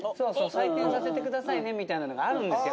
採点させてくださいねみたいなのがあるんですよ